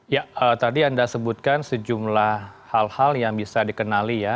ya tadi anda sebutkan sejumlah hal hal yang bisa dikenali ya